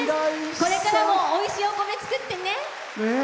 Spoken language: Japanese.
これからもおいしいお米作ってね。